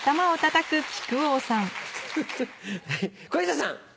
はい小遊三さん。